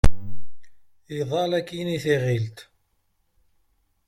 Iḍall akkin i tiɣilt.